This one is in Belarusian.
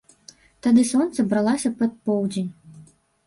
Тады сонца бралася пад поўдзень.